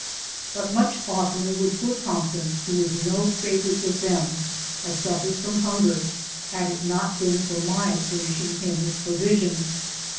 But much oftener would poor Thompson, who was no favourite with them, have suffered from hunger, had it not been for my furnishing him with provision.